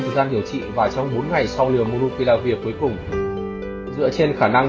thời gian điều trị và trong bốn ngày sau liều monopiravir cuối cùng dựa trên khả năng